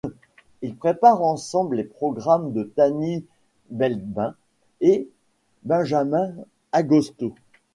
Ils préparent ensemble les programmes de Tanith Belbin & Benjamin Agosto.